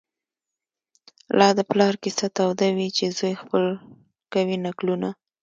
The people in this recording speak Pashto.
لا د پلار کیسه توده وي چي زوی خپل کوي نکلونه